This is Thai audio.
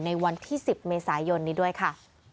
ในวันที่๑๐เมษายนนี้ด้วยค่ะ